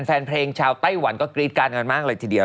แฟนเพลงชาวไต้หวันก็กรี๊ดการกันมากเลยทีเดียว